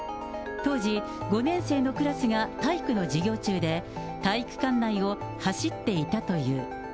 当時、５年生のクラスが体育の授業中で、体育館内を走っていたという。